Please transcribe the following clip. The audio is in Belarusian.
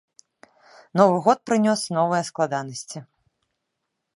Новы год прынёс новыя складанасці.